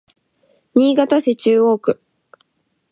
新潟市中央区